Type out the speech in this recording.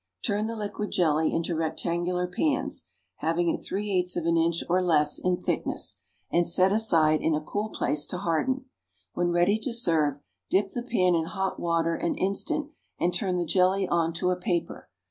Turn the liquid jelly into rectangular pans, having it three eighths of an inch or less in thickness, and set aside in a cool place to harden. When ready to serve, dip the pan in hot water an instant, and turn the jelly on to a paper.